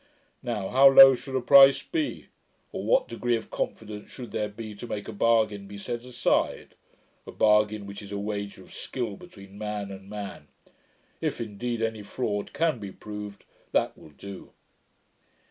Now, how low should a price be? or what degree of confidence should there be to make a bargain be set aside? a bargain, which is a wager of skill between man and man. If, indeed, any fraud can be proved, that will do.'